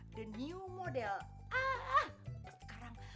tapi jangan keliru